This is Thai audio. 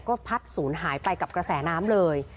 ก็พัดศูนย์หายไปกับกระแสน้ำเลย